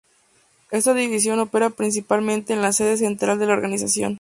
Esta división opera principalmente en la sede central de la organización.